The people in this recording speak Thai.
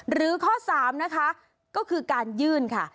หรือข้อ๓นะคะก็คือการยื่นค่ะ